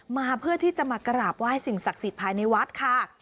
มาเพื่อที่จะมากราบไหว้สิ่งศักดิ์สิทธิภายในวัดค่ะ